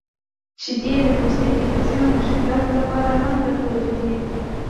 شیدې د پوستکي د ځینو مشکلاتو لپاره هم ګټورې دي.